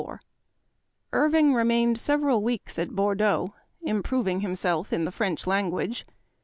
IRVING remained several weeks at Bor deaux, improving himself in the French language.